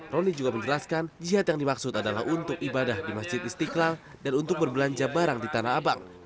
roni juga menjelaskan jihad yang dimaksud adalah untuk ibadah di masjid istiqlal dan untuk berbelanja barang di tanah abang